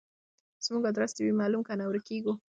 زموږ ادرس دي وي معلوم کنه ورکیږو